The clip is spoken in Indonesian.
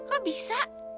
hah kok bisa